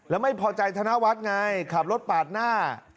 แล้วไม่พอใจธนวัฒน์ไงขับรถปาดหน้า